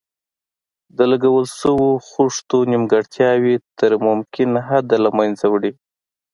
د لګول شویو خښتو نیمګړتیاوې تر ممکن حده له منځه وړي.